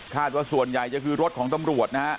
ว่าส่วนใหญ่จะคือรถของตำรวจนะฮะ